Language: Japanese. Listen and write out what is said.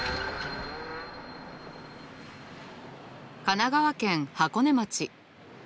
神奈川県箱根町。